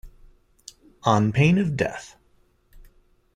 On pain of death.